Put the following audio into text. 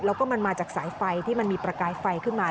แล้วก็มันมาจากสายไฟที่มันมีประกายไฟขึ้นมา